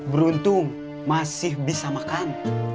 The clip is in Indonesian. beruntung masih bisa makan